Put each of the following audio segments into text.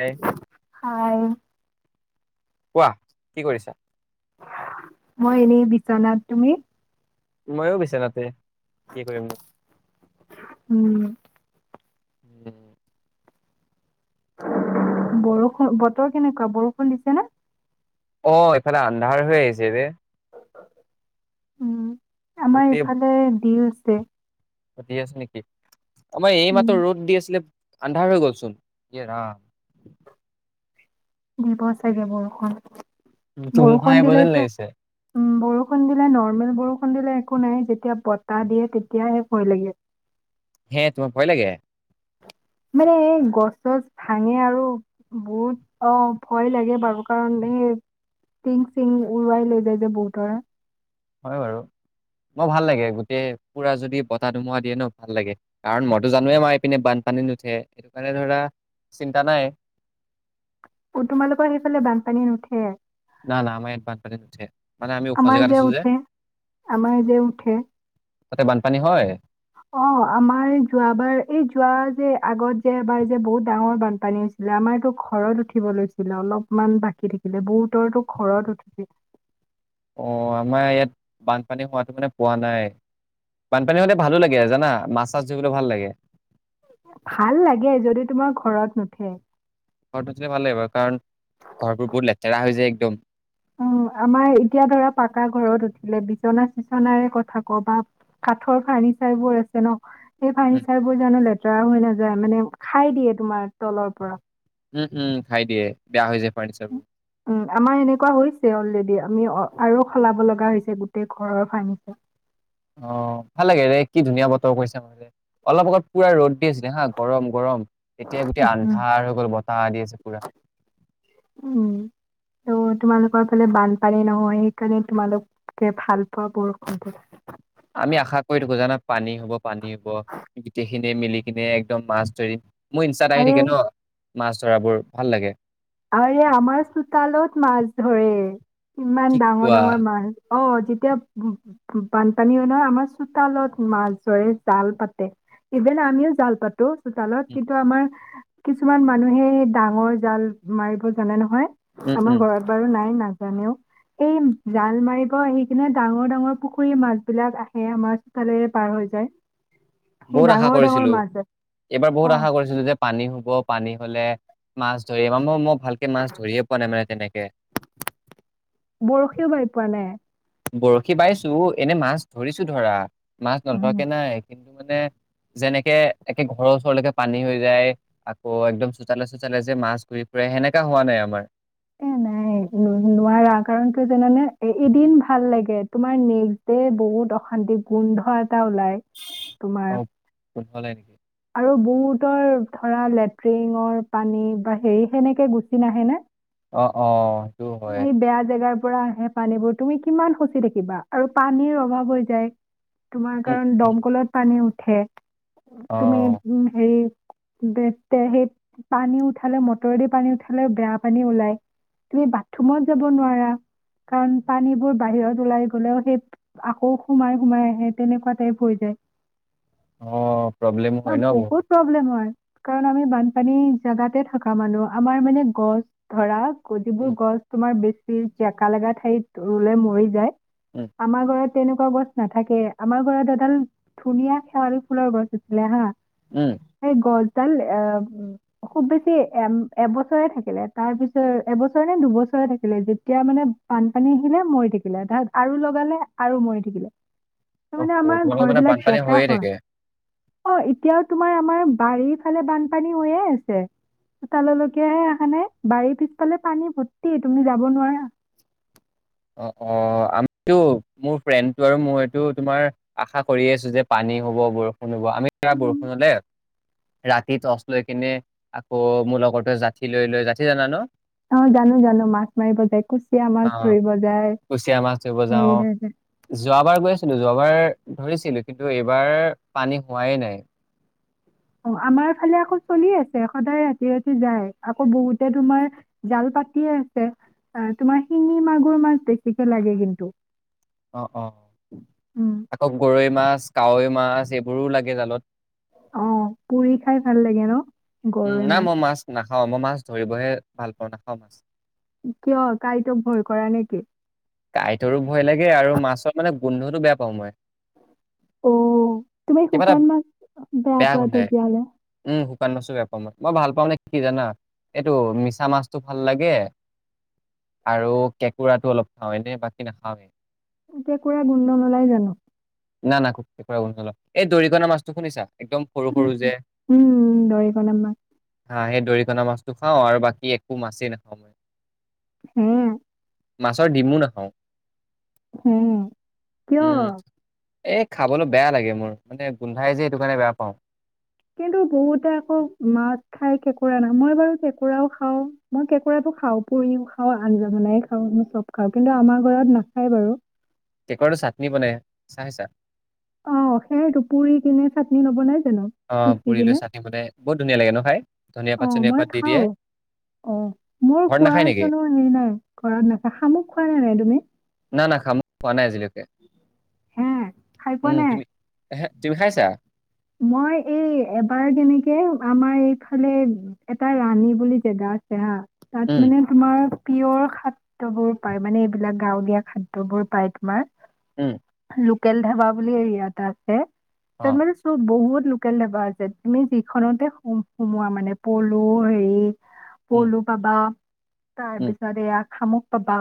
এ hi কোৱা, কি কৰিছা? মই এনেই বিচনাত তুমি ময়ো বিচনাত পৰি‌ আ কি কৰিম নো উম উম বৰষু, বতৰ কেনেকুৱা, বৰষুণ দিছে নে? অ', এইফালে আন্ধাৰ হৈ আহিছে ৰে। উম আমাৰ ইফালে দি হো সুধি আছে নেকি? আমাৰ এই উম মাত্ৰ ৰ'দ দি আছিলে। আন্ধাৰ হৈ গ'লচোন, এ ৰাম। দিব চাগে বৰষুণ। ধুমুহা বৰষুণ আহিব যেন দিলেতো লাগিছে। উম বৰষুণ দিলে নৰ্মেল বৰষুণ দিলে একো নাই, যেতিয়া বতাহ দিয়ে তেতিয়াহে ভয় লাগে। হে, তুমাৰ ভয় লাগে? মানে এই গছ গছ ভাঙে আৰু বহুত অ', ভয় লাগে বাৰু কাৰণ এই টিং চিং উৰুৱাই লৈ যায় যে বহুতৰে। হয় বাৰু। মো ভাল লাগে গোটেই পুৰা যদি বতাহ ধুমোৱা দিয়ে ন ভাল লাগে, কাৰণ মইতো জানোৱে মাৰি পিনে বানপানী নুঠে সেইটো কাৰণে ধৰা চিন্তা নাই। অ', তোমালোকৰ সেইফালে বানপানী নুঠে? না না আমাৰ ইয়াত বান নুঠে। মানে আমি ওখ আমাৰ জেগাত যে আছো উঠে আমাৰ যে উঠে। তাতে বানপানী হয়। অ', আমাৰ যোৱাবাৰ এই যোৱা যে আগত যে এবাৰ যে বহুত ডাঙৰ বানপানী হৈছিলে, আমাৰো ঘৰত উঠিব লৈছিলে অলপমান বাকী থাকিলে বহুতৰো ঘৰত উঠিছিল। অ', আমাৰ ইয়াত বানপানী হোৱাতো মানে পোৱা নাই। বানপানী হওঁতে ভালো লাগে জানা, মাছ চাছ ধৰিবলৈ ভাল লাগে। ভাল লাগে যদি তোমাৰ ঘৰত নুঠে। ঘৰটো উঠে ভাল লাগিব কাৰণ ঘৰবোৰ বহুত লেতেৰা হৈ যায়। ম [unintelligible] অ', আমাৰ এতিয়া ধৰা পাকা ঘৰত উঠিলে, বিচনা চিচনাৰে কথা কও বা কাঠৰ ফাৰ্ণিচাৰ বোৰ আছে ন। সেই উম ফানীচাৰ বোৰ জানো লেতে টেৰা হৈ নাযায়, মানে খাই দিয়ে তোমাৰ তলৰ পৰা। উম উম খাই দিয়ে, বেয়া হৈ যায় ফাৰ্ণিচাৰ বোৰ। উম আমাৰ এনেকুৱা হৈছে অলৰেডি আমি আৰু সলাব লগা হৈছে গোটেই ঘৰৰ ফাৰনিচাৰ। অ ভাল লাগে ৰে কি ধুনীয়া বতৰ কৈছা, মে অলপ অগত পুৰা ৰ'দ দি আছিলে হা গৰম গৰম। এতিয়া গোটেই উম আন্ধাৰ হৈ গ'ল বতাহ দি আছে পোৰা। উম ত' তোমালোকৰ ফালে বানপানী নহয় সেইকাৰণে তোমালোকে ভাল পোৱা মোৰ সম্ভৱ। আমি আশা কৰি থাকো জানা পানী হ'ব। পানী হ'ব গোটেইখিনি। মিলি কিনে একদম মাছ ধৰি। মোৰ ইমছটাত আহি আৰে থাকে ন। মাছ ধৰাবোৰ ভাল লাগে। আৰে আমাৰ চোতালত মাছ ধৰে, কি ইমান ডাঙৰ কোৱা ডাঙৰ মাছ। অ', যেতিয়া বানপানী হয় নহয় আমাৰ চোতালত মাছ ধৰে জাল পাতে। ইভেন আমিও জাল পাতো চোতালত কিন্তু আমাৰ কিছুমান মানুহে ডাঙৰ জাল। মাৰিব জানে উম নহয়। আমাৰ উম ঘৰত বাৰু নাই অনা। জানেও, এই জাল মাৰিব আহি কিনে ডাঙৰ-ডাঙৰ পুখুৰী মাছ বিলাক আহে, আমাৰ চোতালেৰে পাৰ হৈ যায়। সেই বহুত আশা ডাঙৰ ডাঙৰ কৰিছিলো, মাছ এইবাৰ অ বহুত আশা কৰিছিলো যে পানী হ'ব, পানী হ'লে মাছ ধৰিম, মই ভালকে মাছ ধৰিয়ে পোৱা নাই মানে তেনেকে বৰশীও বাই পোৱা নাই। বৰশী বাইছো এনে মাছ ধৰিছো ধৰা মাছ উম, নধৰাকে নাই কিন্তু মানে যেনেকে একে ঘৰৰ ওচৰলৈকে পানী হৈ যায়, আকৌ একদম চোতালে-চোতালে যে মাছ ঘুৰি ফুৰে, সেনেকা হোৱা নাই আমাৰ। এ নাই নোৱাৰা কাৰণ কিয় জানেনে? এ এদিন ভাল লাগে। তোমাৰ নেক্সট ডে' বহুত অশান্তিত গোন্ধ এটা ওলাই তোমাৰ গম পোৱা নাই। আৰু বহুতৰ ধৰা লেট্ৰিঙৰ পানী বা হেৰি সেনেকে গুচি নাহে নে। অ', -অ'। হয় সেই বেয়া জেগা। পৰা আহে পানীবোৰ, তুমি কিমান খচি থাকিবা আৰু পানীৰ অভাৱ হৈ যায়। তোমাৰ উম, কাৰণ উম, দমকলত পানী উঠ উঠে। অ তুমি উম' হেৰি সেই পানী উঠালে মটৰেদি পানী উঠালে, বেয়া পানী ওলাই তুমি ৰুমত যাব নোৱাৰা কাৰণ পানীবোৰ বাহিৰত ওলাই গলেও সেই আকৌ সোমাই, সোমাই আহে তেনেকুৱা টাইপ হৈ যায়। অ' প্ৰব্লেম বা হয় ন বহুত। প্ৰব্লেম হয় কাৰণ আমি বানপানী জেগাতে থকা মানুহ আমাৰ মানে গছ ধৰা কজিবোৰ উম গছ। তমাৰ বেছি জেকা লগা ঠাইত ৰুলে মৰি যায়। উম আমাৰ ঘৰত তেনেকুৱা গছ নাথাকে, আমাৰ ঘৰত এডাল ধুনীয়া শেৱালি ফুলৰ গছ আছিলে হা উম সেই গছ এডাল খুব বেছি এ এবছৰে থাকিলে তাৰ পিছৰ এবছৰ নে দুবছৰ থাকিলে যেতিয়া মানে বানপানী আহিলে মৰি থাকিলে ত আৰু লগালে আৰু মৰি থাকিলে। অ তাৰমানে আমাৰ তোমালোকৰ ঘৰ মানে বিলাক বানপানী জেকা হৈয়ে হয়। থাকে অ' এতিয়াও তোমাৰ আমাৰ বাৰীৰ ফালে বানপানী হৈয়ে আছে, চোতাললৈকেে এখানে বাৰীৰ পিছফালে পানী। ভৰ্তি তুমি যাব নোৱাৰা। অ', -অ' আমিতো মোৰ ফ্ৰেণ্ডটো আৰু মইতো তোমাৰ আশা কৰি আছো যে পানী হ'ব, বৰষুণ হ'ব। আমি কা উম, বৰষুণলে ৰাতি টৰ্চ লৈ কিনে আকৌ মোৰ লগৰতে ষাঠি লৈ লৈ ষাঠি জানা ন? অ' জানো-জানো মাছ মাৰিব যায়, কুচিয়া অ মাছ ধৰিব যায়। কুচিয়া মাছ ধৰিব হেৰি যাও, ধৰিব যোৱাবাৰ গৈ আছিলো। যোৱাবাৰ ধৰিছিলো কিন্তু এইবাৰ পানী হোৱাই নাই। অ', আমাৰ ফালে আকৌ চলি আছে, সদায় ৰাতি-ৰাতি যায়। আকৌ বহুতে তোমাৰ জাল পাতিয়ে আছে। তোমাৰ শিঙি, মাগুৰ মাছ বেছিকে লাগে কিন্তু। অৱ অৱ উম আকৌ গৰৈ মাছ কাৱৈ মাছ এইবোৰো লাগে জালত। অ', পুৰি খাই ভাল লাগে ন'। উম, নাই মাছ না খাওঁ মই মাছ ধৰিবহে ভাল পাওঁ, নাখাওঁ মাছ। কিয় কাইতক ভয় কৰা নেকি? কাঁইটৰো ভয় লাগে আৰু মাছৰ মানে গোন্ধটো বেয়া পাওঁ মই। অ', তুমি কিবা এটা শুকান মাছ বেয়া পোৱা, তেতিয়াহ'লে। উম, শুকান মাছো বেয়া মই ভাল পাওঁ নে কি কি জানা এইটো মিছা মাছটো ভাল লাগে আৰু কেঁকোৰাটো অলপ অ', এনেই বাকী নাখওঁ আমি। কেঁকোৰা গুন্ধ নোলাই জানো। না না কেকোৰা গুন্ধ নাই। এই দৰিকনা মাছটো শুনিছা? একদম সৰু সৰু উম, যে উম, দৰিকণা মাছ। হা সেই দৰিকণা মাছটো খাওঁ আৰু বাকী একো মাছেই নাখাওঁ। হম। মাছ ৰ ডিমো নাখাওঁ। হম, কিয়? উম, এই খাবলৈ বেয়া লাগে মোৰ, মানে গোন্ধাই যে সেইটো কাৰণে বেয়া পাওঁ। কিন্তু বহুতে আকৌ মাছ খায়, কেঁকোৰা না মই বাৰু কেঁকোৰা খাওঁ মই কেঁকোৰাটো খাওঁ পুৰিও খাওঁ, আঞ্জা বনাই খাওঁ চব খাওঁ কিন্তু আমাৰ ঘৰত নাখায় বাৰু। কেঁকোৰাটো চাটনি বনাই চাই চা? অ' সেইটো পুৰি কিনে চাটনি নবনাই। ছিল, হেল্ল' অ' পিটিকি পুৰি লৈ কিনে চাটনি বনাই বহুত ধুনীয়া লাগে ন খাই? ধনিয়া পাত অ', চনিয়া মই পাত দি খাওঁ দিয়ে। অ', মোৰ ঘৰত নাখায় খোৱাৰ নেকি? কোনো হেৰি নাই ঘৰত নাখা, শামুক খোৱা নে নাই তুমি? পোৱা নাই আজিলৈ। হে খাই পোৱা উম নাই তুমি এহে তুমি খাইছা? মই এই এবাৰ যেনেকে আমাৰ এইফালে এটা ৰাণী বুলি জেগা আছে হা। উম। তাত মানে তোমাৰ পিয়ৰ খাদ্যবোৰ পায় মানে এইবিলাক গাঁৱলীয়া খাদ্যবোৰ পায় তোমাৰ। উম। লোকেল ধাবা বুলি ইয়াত আছে। তা অ'। মানে বহুত লোকেল ধাবা আছে, তুমি যি খনতে সোমোৱা মানে পলু, ‌‌হেৰি উম, পলু পাবা তাৰ উম, পিছত এয়া খামুক পাবা।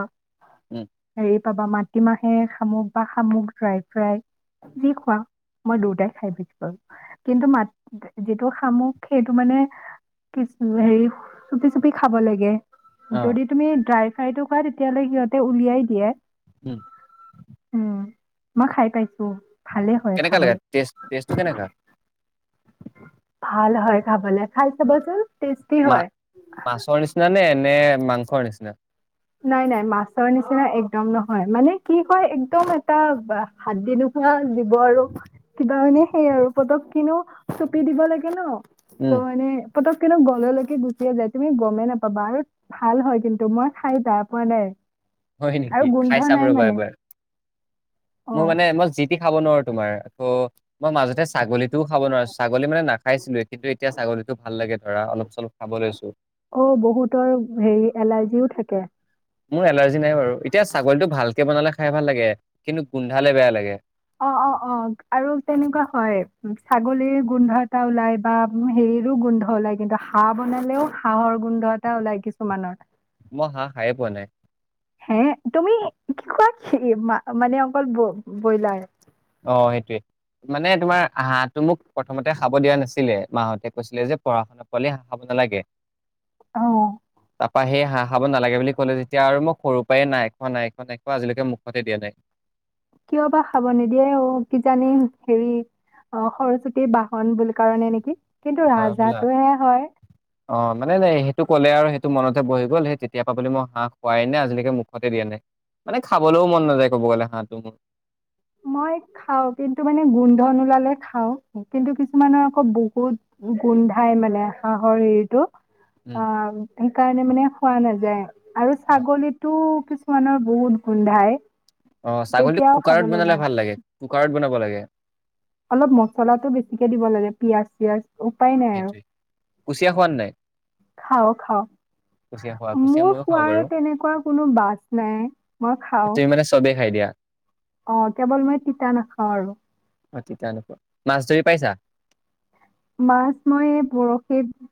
উম। হেৰি পাবা মাটিমাহে শামুক বা শামুক ড্ৰাই ফ্ৰাই যি খোৱা মই দুয়টাই খাই দিওঁ। কিন্তু মাত যিটো শামুক, সেইটো মানে কিছু হেৰি চুপি চুপি খাব লাগে। অ'। যদি তুমি ড্ৰাই সেইটো খোৱা তেতিয়াললে সিহঁতে উলিয়াই দিয়ে। উম। উম মই খাই পাই- কেনেকা লাগে? টেষ্ট, টেষ্ট টো কেনেকা? ভাল হয় খাবলৈ, খাই চাবাচোন। টেষ্টি হয় মা-মাছৰ নিচিনা নে? এনে মাংসৰ নিচিনা নাই নাই মাছৰ নিচিনা একদম নহয়। মানে কি কয় একদম এটা হাদ্দি নোহোৱা জীৱ আৰু কিবা মানে সেই আৰু পতক- কিনো, চুপি দিব লাগে ন। উম। [inaudible] পতককে তো গললৈকে গুচিয়ে যায়, তুমি গমেই নাপাবা। আৰু ভাল হয় কিন্তু, মই খাই যা পোৱা নাই। হয় আৰু নেকি, গোন্ধ খাই চাম নাই ৰবা মানে এবাৰ। অ মোৰ মানে মই যি তি খাব নোৱাৰো তোমাৰ। ত' মই মাজতে ছাগলীটোও খাব নোৱাৰচো, ছাগলী মানে নাখাইছিলোৱে কিন্তু এতিয়া ছাগলীটো ভাল লাগে ধৰা অলপ চলপ খাব লৈছো। অ', বহুতৰ হেৰি এলাৰ্জিও থাকে। মোৰ এলাৰ যি নাই বাৰু এতিয়া ছাগলীটো ভাল কে বনালে খাই ভাল লাগে, কিন্তু গোন্ধালে বেয়া লাগে। অ' অ'- অ' আৰু তেনেকুৱা হয় ছাগলীৰ গোন্ধ এটা ওলাই বা হেৰিৰো গোন্ধ ওলাই, কিন্তু হাঁহ বনালেও হাঁহৰ গোন্ধ এটা ওলাই কিছুমানৰ। মই হাঁহ খায়ে পোৱা নাই। হে তুমি কি খোৱা কি মানে অকল বইলাৰ। অ' সেইটোৱে। মানে তোমাৰ হাঁহটো মোক প্ৰথমতে খাব দিয়া নাছিলে। মাহঁতে কৈছিলে যে পঢ়া শুনা পোৱালি হাঁহ খাব নালাগে। অ'। তাপা সেই হাঁহ খাব নালাগে বুলি ক'লে যেতিয়া আৰু মই সৰুৰ পৰাই নাই খোৱা- নাই খোৱা- নাই খোৱা আজিলৈকে মুখতে দিয়া নাই। কিয় বা খাব নিদিয়ে, অ' কিজানি হেৰি অ' সৰস্বতীৰ বাহন বুলি কাৰণে নেকি। কিন্তু হয় হবলা ৰাজহাঁহটো হে হয়। অ, মানে সেইটো ক'লে আৰু সেইটো মনতে বহি গ'ল, সেই তেতিয়া পা বুলি মই হাঁহ খোৱাই নাই, আজিলৈকে মুখতে দিয়া নাই। মানে খাবলৈও মন নাযায় কব গ'লে হাঁহটো মোৰ। মই খাওঁ কিন্তু মানে গোন্ধ নোলালে খাওঁ, কিন্তু কিছুমানৰ আকৌ বহুত গোন্ধাই মানে হাঁহৰ হেৰিটো। উম অ', সেইকাৰণে মানে খোৱা নাযায়। আৰু ছাগলীতো কিছু কিছুমানৰ বহুত গোন্ধায়। অ', ছাগলীটো কুকাৰত বনালে ভাল লাগে, কুকাৰত বনাব লাগে। [inaudible] অলপ মছলাটো বেছিকে দিব লাগে পিয়াজ চিয়াজ উপায় নাই আৰু, সেইটোৱে কুচিয়া খোৱা নে নাই খাও খাও, কুচিয়া খোৱা কুচিয়া মোৰ ময়ো খাওঁ খোৱাৰ বাৰু তেনেকুৱা কোনো বাছ নাই মই খাও। তুমি মানে চবেই খাই দিয়া অ', কেৱল মই তিতা নাখাওঁ আৰু। অ', তিতা নোখোৱা, মাছ ধৰি পাইছা? মাছ মই বৰশীত,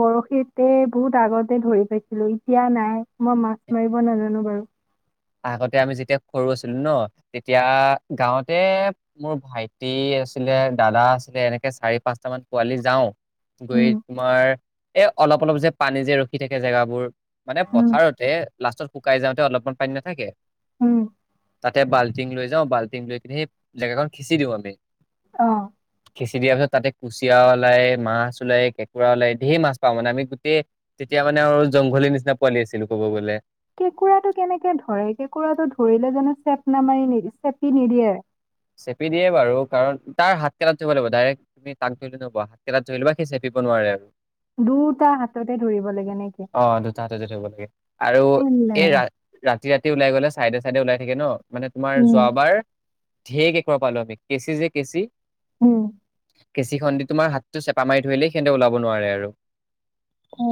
বৰশীতে বহুত আগতে ধৰি পাইছিলোঁ এতিয়া নাই মই মাছ মাৰিব নাজানো বাৰু। আগতে আমি যেতিয়া সৰু আছিলোঁ ন' তেতিয়া, গাঁৱতে মোৰ ভাইটি আছিলে দাদা আছিলে এনেকে চাৰি পাঁচটামান পোৱালি যাওঁ। গৈ, উম তোমাৰ এ অলপ অলপ যে পানী যে ৰখি থাকে জেগাবোৰ মানে উম পথাৰতে লাষ্টত শুকাই যাওঁতে অলপমান পানী নাথাকে। উম, তাতে বাল্টিং লৈ যাওঁ বাল্টিং লৈ কিনে সেই জেগাখন খিঁচি দিওঁ আমি। অ', খিঁচি দিয়া হয়, তাতে কুচিয়া ওলায় মাছ ওলায় কেঁকোৰা ওলায় ধেৰ মাছ পাও মানে আমি গোটেই, তেতিয়া মানে আৰু জংঘলিৰ নিচিনা পোৱালি আছিলো ক'ব গ'লে। হয়, কেঁকোৰাটো ধৰিলে জানোঁ চেপ নামাৰে নি, চেপি নিদিয়ে? চেপি দিয়ে বাৰু কাৰণ তাৰ হাতকেইটাত ধৰিব লাগিব ডাইৰেক্ট তুমি তাক ধৰিলে নপোৱা হাতকেইটাত ধৰি লবা সি চেপিব নোৱাৰে আৰু। দুটা হাততে ধৰিব লাগে নেকি অ', দুটা হতেদি ধৰিব লাগে, আৰু এই ৰাতি ৰাতি ওলাই গলে চাইডে চাইডে ওলাই থাকে ন'। মানে তোমাৰ উম যোৱাবাৰ ঢেৰ কেঁকোৰা পালো আমি কেঁচি যে কেঁচি উম কেঁচি খন দি তোমাৰ হাতটো চেপা মাৰি ধৰিলে সিয়ন্তে ওলাব নোৱাৰে আৰু অ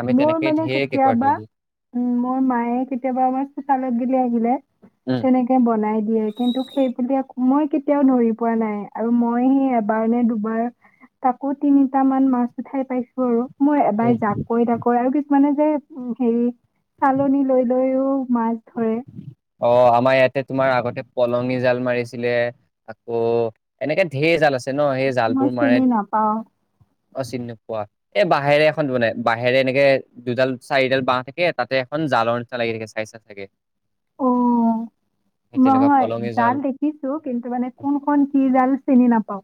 আমি মোৰ তেনেকে মানে ঢেৰ কেঁকোৰা কেতিয়াবা ধৰিলো উ মোৰ মায়ে কেতিয়াবা আমাৰ চোতালত [unintelligible] [inaudible] উম তেনেকে বনাই দিয়ে কিন্তু সেই [unintelligible] মই কেতিয়াও ধৰি পোৱা নাই আৰু মই সেই এবাৰ নে দুবাৰ তাকো তিনিটা মান মাছ উঠাই পাইছো আৰু মই এবাৰ উম। যা [unintelligible] [inaudible] মানে যে হেৰি চালনি লৈ লৈও মাছ ধৰে অ আমাৰ ইয়াতে তোমাৰ আগতে পলঙি জাল মাৰিছিলে আকৌ এনেকে ঢেৰ জাল আছে [unintelligible] ন সেই জাল মই বোৰ মাৰে চিনি নাপাওঁ অচিন নোপোৱা এ বাঁহেৰে [unintelligible] [unintelligible] বাঁহেৰে এনেকে দুডাল চাৰিডাল বাঁহ থাকে তাতে এখন জালৰ নিচনা লাগি থাকে [unintelligible] তাকে অ তেনেকুৱা নহয় পলঙি জাল দেখিছো কিন্তু মানে কোনখন কি জাল চিনি নাপাও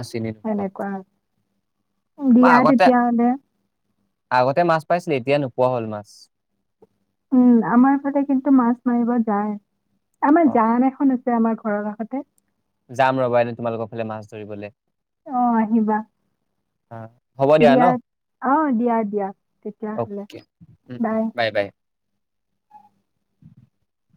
অ চিনি নোপোৱা সেনেকুৱা মই দিয়া আগতে তেতিয়া হলে পাইছিল এতিয়া নোপোৱা হ'ল মাছ উম, আমাৰ ফালে কিন্তু মাছ মাৰিব যায়। আমাৰ অ জান এখন আছ ছে আমাৰ ঘৰৰ কাষতে। যাম ৰ'বা এদিন তোমালোকৰ ফালে মাছ ধৰিবলৈ। অ', আহিবা। আ দিয়া, অ', দিয়া, দিয়া তেতিয়া হ'লে, অকে উম উম বাই। [inaudible]